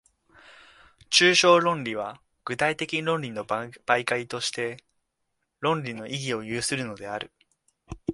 抽象論理は具体的論理の媒介として、論理の意義を有するのである。